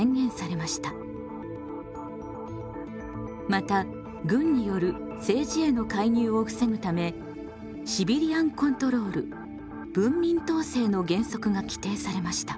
また軍による政治への介入を防ぐためシビリアン・コントロール文民統制の原則が規定されました。